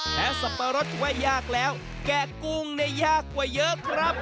และสับปะรดว่ายากแล้วแกะกุ้งเนี่ยยากกว่าเยอะครับ